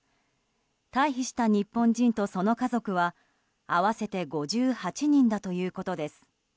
退避した日本人とその家族は合わせて５８人だということです。